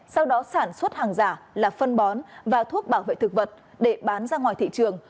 sau đó sản xuất hàng giả là phân bón và thuốc bảo vệ thực vật để bán ra ngoài thị trường